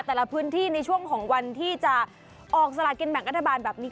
แต่ละพื้นที่ในช่วงของวันที่จะออกสลากินแบ่งรัฐบาลแบบนี้